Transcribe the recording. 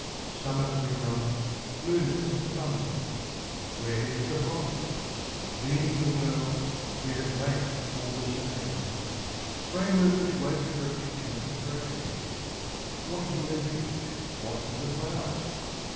Summer redundant, Blueness abundant, Where is the blot? Beamy the world, yet a blank all the same, Framework which waits for a picture to frame: What of the leafage, what of the flower?